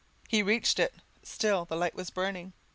He reached it; still the light was burning.